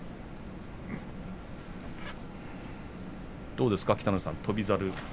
どうですか、北の富士さん翔猿。